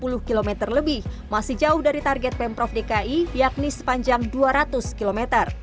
sudah terpasang sepanjang lima puluh km lebih masih jauh dari target pemprov dki yakni sepanjang dua ratus km